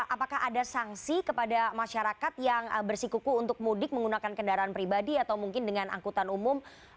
apakah ada sanksi kepada masyarakat yang bersikuku untuk mudik menggunakan kendaraan pribadi atau mungkin dengan angkutan umum